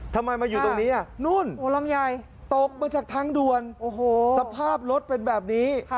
ทำไมมาอยู่ตรงนี้นู่นตกมาจากทางด่วนสภาพรถเป็นแบบนี้